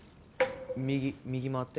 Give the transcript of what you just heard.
右右回って。